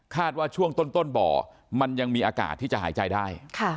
ว่าช่วงต้นบ่อมันยังมีอากาศที่จะหายใจได้